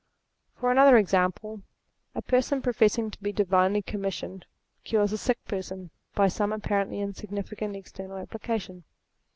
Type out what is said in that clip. For another example: a person professing to be divinely commissioned, cures a sick person, by some apparently insignificant external application.